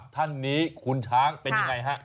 ๙๖๙๓๕๙๒ท่านนี้คุณช้างเป็นอย่างไรคะ